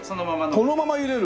このまま入れる！